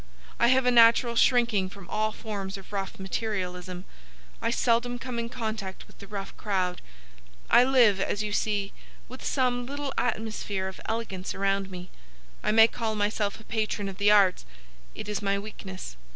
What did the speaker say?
I have a natural shrinking from all forms of rough materialism. I seldom come in contact with the rough crowd. I live, as you see, with some little atmosphere of elegance around me. I may call myself a patron of the arts. It is my weakness.